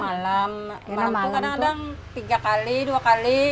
malam malam itu kadang kadang tiga kali dua kali